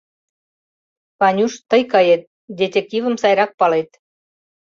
Ванюш, тый кает, детективым сайрак палет.